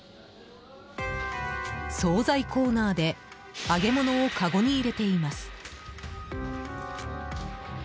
総菜コーナーで揚げ物を、かごに入れています。